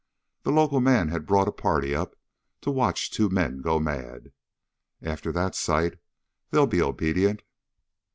The local man had brought a party up to watch two men go mad. After that sight they'll be obedient."